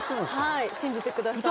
はい信じてください